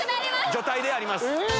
除隊であります！